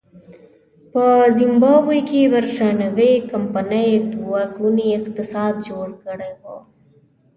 په زیمبابوې کې برېټانوۍ کمپنۍ دوه ګونی اقتصاد جوړ کړی و.